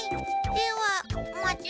ではまた。